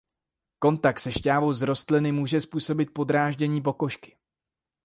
Kontakt se šťávou z rostliny může způsobit podráždění pokožky.